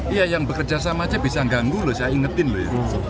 iya yang bekerjasama saja bisa ganggu loh saya ingetin loh